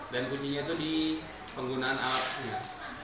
dan kuncinya tuh di penggunaan alatnya